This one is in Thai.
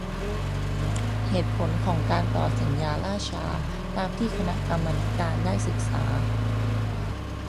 เหตุผลของการต่อสัญญาล่าช้า ตามที่คณะกรรมาธิการได้ศึกษา